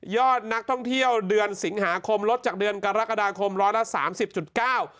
อดนักท่องเที่ยวเดือนสิงหาคมลดจากเดือนกรกฎาคมร้อยละสามสิบจุดเก้า